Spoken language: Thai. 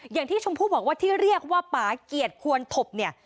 อย่างที่ชมพู่บอกว่าที่เรียกว่าปาเกียรติควรทบเนี่ย